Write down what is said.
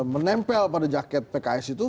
menempel pada jaket pks itu